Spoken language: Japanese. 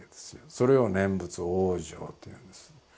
それを「念仏往生」というんです。